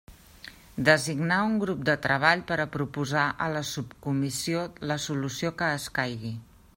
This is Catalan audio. Designar un Grup de Treball per a proposar a la Subcomissió la solució que escaigui.